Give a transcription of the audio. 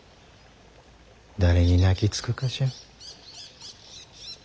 誰に泣きつくかしゃん？